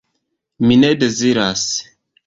Mi ne deziras!